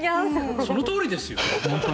そのとおりですよ！